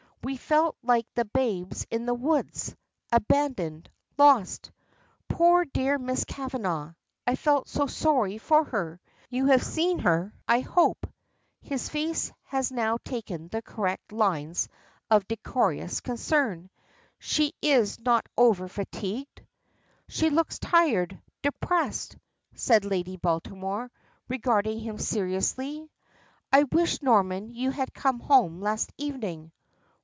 We felt like the Babes in the Wood abandoned, lost. Poor, dear Miss Kavanagh! I felt so sorry for her! You have seen her, I hope," his face has now taken the correct lines of decorous concern. "She is not over fatigued?" "She looks tired! depressed!" says Lady Baltimore, regarding him seriously. "I wish, Norman, you had come home last evening."